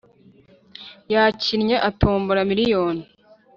Yakinnye atombora miriyoni